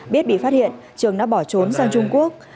biết bị phát hiện trường đã bỏ trốn sang trung quốc